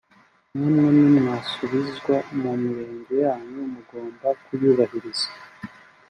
namwe nimwasubizwa mu Mirenge yanyu mugomba kuyubahiriza